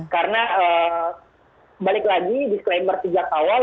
karena balik lagi disclaimer sejak awal